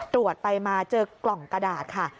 ตรวจไปมาเจอกล่องกระดาษค่ะ